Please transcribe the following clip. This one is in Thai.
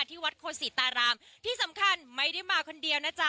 ที่วัดโคศิตารามที่สำคัญไม่ได้มาคนเดียวนะจ๊ะ